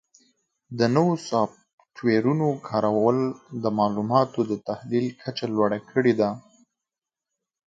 د نوو سافټویرونو کارول د معلوماتو د تحلیل کچه لوړه کړې ده.